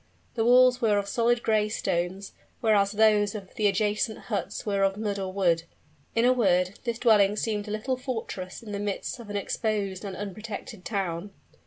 The walls were of solid gray stones, whereas those of the adjacent huts were of mud or wood. In a word, this dwelling seemed a little fortress in the midst of an exposed and unprotected town.